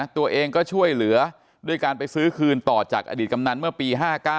ตัวเองก็ช่วยเหลือด้วยการไปซื้อคืนต่อจากอดีตกำนันเมื่อปี๕๙